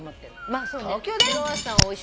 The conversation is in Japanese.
まあそうね。